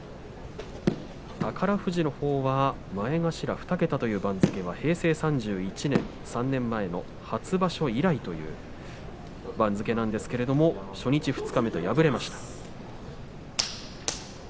宝富士のほうは前頭２桁という番付は平成３１年、３年前の初場所以来という番付なんですけれど初日二日目と敗れました。